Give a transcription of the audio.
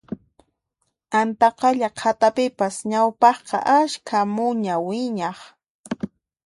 Antaqalla qhatapipas ñawpaqqa askha muña wiñaq